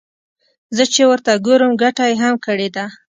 زه چې ورته ګورم ګټه يې هم کړې ده.